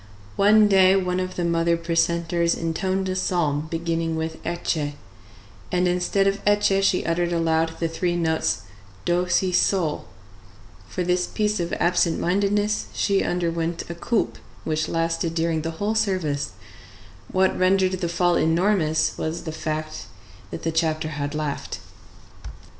One day one of the mother precentors intoned a psalm beginning with Ecce, and instead of Ecce she uttered aloud the three notes do si sol; for this piece of absent mindedness she underwent a coulpe which lasted during the whole service: what rendered the fault enormous was the fact that the chapter had laughed.